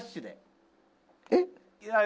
えっ？